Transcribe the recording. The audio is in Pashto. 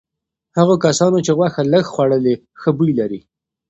هغو کسانو چې غوښه لږه خوړلي ښه بوی لري.